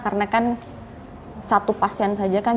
karena kan satu pasien saja kan